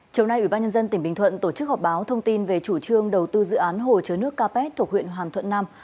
châu nay ủy ban nhân dân tỉnh bình thuận tổ chức họp báo thông tin về chủ trương đầu tư dự án hồ chứa nước capet thuộc huyện hoàn thuận nam